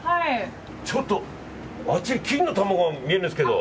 ちょっと、あっちに金の卵が見えるんですけど。